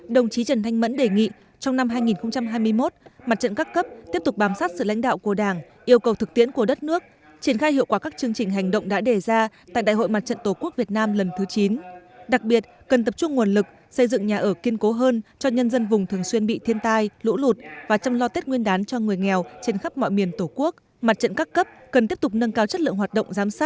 đồng chí trần thanh mẫn bí thư trung mương đảng chủ tịch ủy ban trung ương mặt trận tổ quốc việt nam khóa chín